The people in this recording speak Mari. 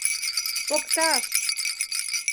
— Покташ!